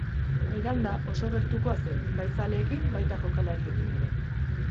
Miranda oso gertukoa zen, bai zaleekin, baita jokalariekin ere.